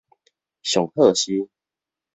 上好是